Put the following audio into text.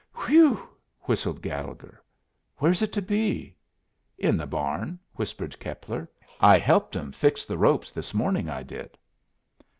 "Whew!" whistled Gallegher, "where's it to be?" "In the barn," whispered Keppler. "I helped 'em fix the ropes this morning, I did."